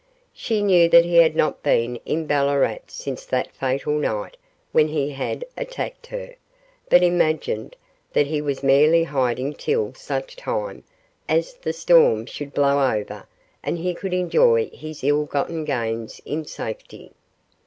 She knew that he had not been in Ballarat since that fatal night when he had attacked her, but imagined that he was merely hiding till such time as the storm should blow over and he could enjoy his ill gotten gains in safety.